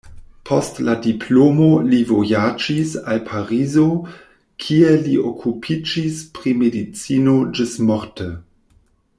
Post la diplomo li vojaĝis al Parizo, kie li okupiĝis pri medicino ĝismorte.